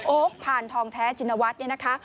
โอ๊คพาลทองแท้ชินวัฒน์